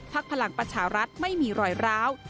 พลังประชารัฐไม่มีรอยร้าว